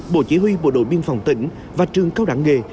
bộ chỉ huy bộ đội biên phòng tỉnh và trường cao đẳng nghề